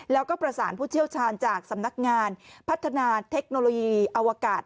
แล้วก็ประสานผู้เชี่ยวชาญจากสำนักงานพัฒนาเทคโนโลยีอวกาศ